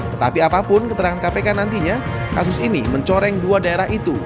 tetapi apapun keterangan kpk nantinya kasus ini mencoreng dua daerah itu